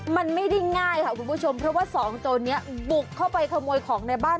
มันไม่ได้ง่ายค่ะคุณผู้ชมเพราะว่าสองโจรนี้บุกเข้าไปขโมยของในบ้าน